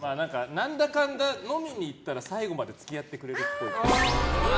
何だかんだ飲みに行ったら最後まで付き合ってくれるっぽい。